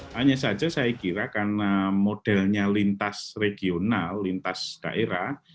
hanya saja saya kira karena modelnya lintas regional lintas daerah